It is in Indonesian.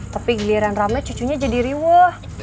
tapi giliran rame cucunya jadi riwah